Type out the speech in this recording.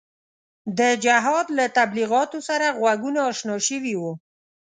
د جهاد له تبلیغاتو سره غوږونه اشنا شوي وو.